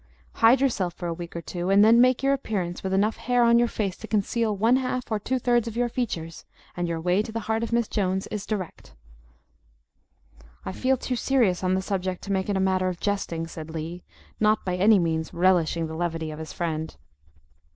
Hide yourself for a week or two, and then make your appearance with enough hair upon your face to conceal one half or two thirds of your features, and your way to the heart of Miss Jones is direct." "I feel too serious on the subject to make it a matter of jesting," said Lee, not by any means relishing the levity of his friend.